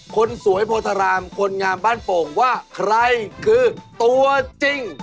คนสวยโพธารามคนงามบ้านโป่งว่าใครคือตัวจริง